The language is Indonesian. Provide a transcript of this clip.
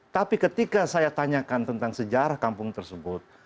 tapi ketika saya tanyakan tentang sejarah kampung tersebut